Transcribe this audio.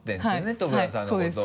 徳田さんのことを。